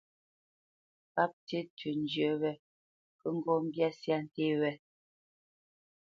Páp tí tʉ̄ njyə́ wé ŋgɔ́ kə́ mbyá syâ nté wé.